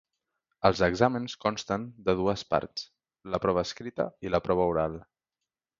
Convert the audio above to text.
Els exàmens consten de dues parts: la prova escrita i la prova oral.